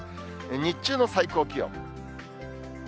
日中の最高気温。